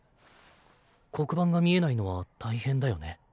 黒板が見えないのは大変だよね。